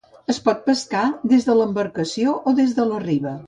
Es pot pescar des d'embarcació o des de la riba.